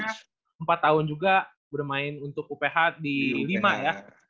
dan akhirnya empat tahun juga bermain untuk uph di lima ya